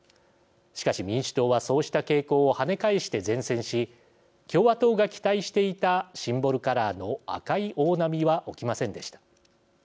しかし、民主党はそうした傾向を跳ね返して善戦し共和党が期待していたシンボルカラーの赤い大波は起きませんでした。